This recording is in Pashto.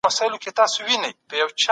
حسیب